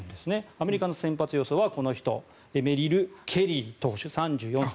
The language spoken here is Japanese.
アメリカの先発予想はこの人メリル・ケリー投手、３４歳。